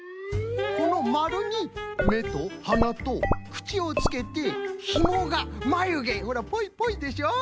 このまるにめとはなとくちをつけてひもがまゆげほらぽいぽいでしょ？